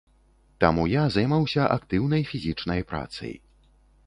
Таму я займаўся актыўнай фізічнай працай.